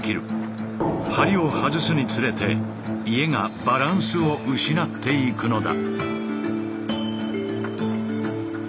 梁を外すにつれて家がバランスを失っていくのだ。